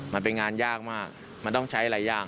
มันเป็นงานยากมากมันต้องใช้อะไรยาก